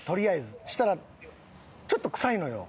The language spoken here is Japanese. そしたらちょっと臭いのよ。